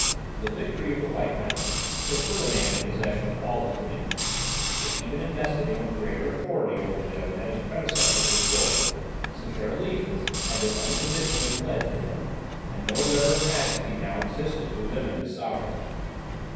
The victory of the White Mountain put Ferdinand in possession of all his dominions. It even invested him with greater authority over them than his predecessors enjoyed, since their allegiance had been unconditionally pledged to him, and no Letter of Majesty now existed to limit his sovereignty.